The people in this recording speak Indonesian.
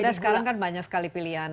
belum ada sekarang kan banyak sekali pilihan